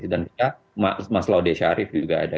dan kita mas laude sharif juga ada